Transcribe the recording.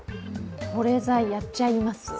保冷剤、やっちゃいます。